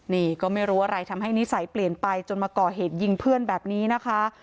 นี่ก็ไม่รู้อะไรทำให้นิสัยเปลี่ยนไปจนมาก่อเหตุยิงเพื่อนแบบนี้นะคะ